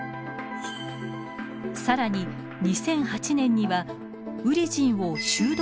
更に２００８年にはウリジンをシュード